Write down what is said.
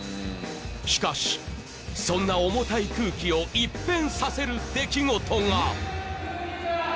しかしそんな重たい空気を一変させる出来事が！